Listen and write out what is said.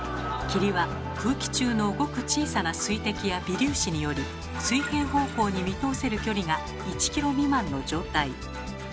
霧は空気中のごく小さな水滴や微粒子により水平方向に見通せる距離が１ｋｍ未満の状態。